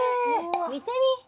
見てみ！